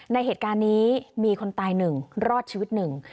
ในเหตุการณ์นี้มีคนตายหนึ่งรอดชีวิตหนึ่ง